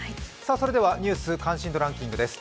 それでは「ニュース関心度ランキング」です。